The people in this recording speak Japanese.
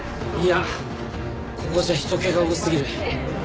いやここじゃ人けが多すぎる。